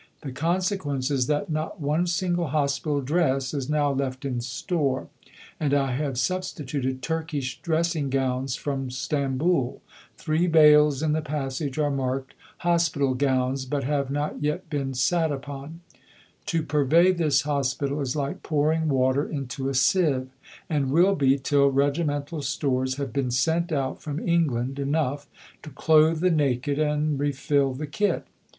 The consequence is that not one single Hospital dress is now left in store, and I have substituted Turkish dressing gowns from Stamboul (three bales in the passage are marked Hospital Gowns, but have not yet been "sat upon"). To purvey this Hospital is like pouring water into a sieve; and will be, till regimental stores have been sent out from England enough to clothe the naked and refill the kit.